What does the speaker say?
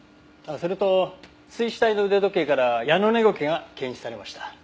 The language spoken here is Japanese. あっそれと水死体の腕時計からヤノネゴケが検出されました。